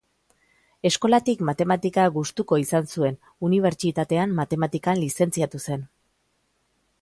Eskolatik matematika gustuko izan zuen, Unibertsitatean Matematikan lizentziatu zen.